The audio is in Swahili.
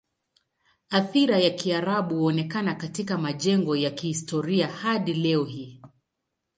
Athira ya Kiarabu huonekana katika majengo ya kihistoria hadi leo hii.